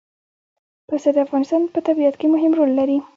پسه د افغانستان په طبیعت کې مهم رول لري.